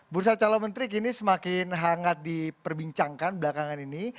bursa calon menteri kini semakin hangat diperbincangkan belakangan ini